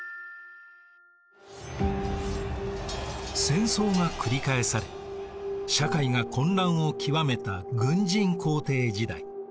戦争が繰り返され社会が混乱を極めた軍人皇帝時代。